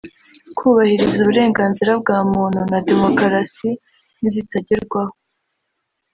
kubahiriza uburenganzira bwa muntu na demokarasi nizitagerwaho